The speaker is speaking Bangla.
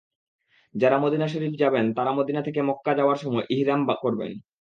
যাঁরা মদিনা শরিফ যাবেন, তাঁরা মদিনা থেকে মক্কা যাওয়ার সময় ইহরাম করবেন।